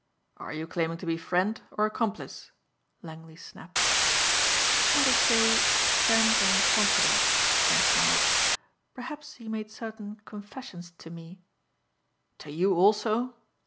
"Are you claiming to be friend or accomplice?" Langley snapped. "Let us say friend and confidant," Trent smiled. "Perhaps he made certain confessions to me " "To you also?"